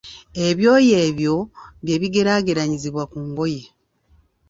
Ebyoya ebyo bye bigeraageranyizibwa ku ngoye.